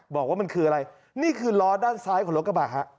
บอกว่ามันคืออะไรนี่คือล้อด้านซ้ายของรถกระบะฮะ